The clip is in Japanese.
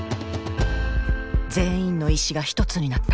全員の意思が一つになった。